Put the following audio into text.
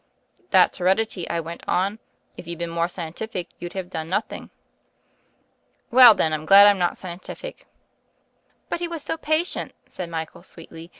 "That's heredity," I went on. "If you'd been more scientific you'd have done nothing." "Well, then, I'm glad I'm not scientific." "But he was so patient," said Michael sweetly.